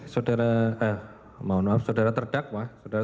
saudara maaf saudara terdakwa